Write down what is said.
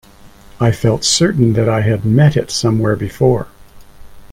I felt certain that I had met it somewhere before.